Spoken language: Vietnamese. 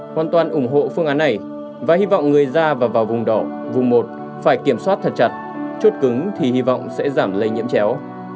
hoàn toàn ủng hộ phương án này và hy vọng người ra và vào vùng đỏ vùng một phải kiểm soát thật chặt chốt cứng thì hy vọng sẽ giảm lây nhiễm chéo